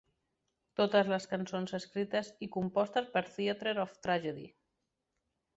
Totes les cançons escrites i compostes per "Theatre of Tragedy".